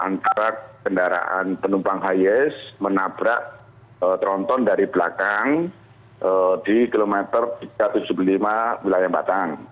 antara kendaraan penumpang hias menabrak tronton dari belakang di kilometer tiga ratus tujuh puluh lima wilayah batang